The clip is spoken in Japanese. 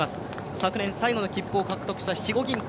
昨年、最後の切符を獲得した肥後銀行。